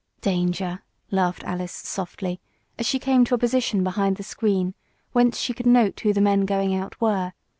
"Danger!" laughed Alice softly, as she came to a position behind the screen, whence she could note who the men going out were.